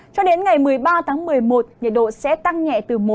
cho đến ngày một mươi ba tháng một mươi một nhiệt độ sẽ tăng nhẹ từ một đến hai độ